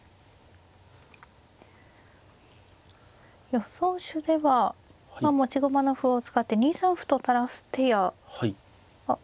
予想手では持ち駒の歩を使って２三歩と垂らす手やあっ